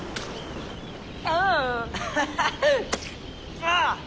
ああ。